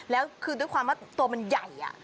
แล้วคือด้วยความว่าตัวมันใหญ่